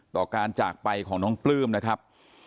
ต่อการจากไปของน้องปลื้มนะครับ